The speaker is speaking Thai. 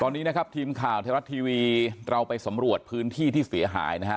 ตอนนี้นะครับทีมข่าวไทยรัฐทีวีเราไปสำรวจพื้นที่ที่เสียหายนะฮะ